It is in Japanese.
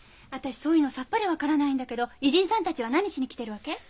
私そういうのさっぱり分からないんだけど異人さんたちは何しに来てるわけ？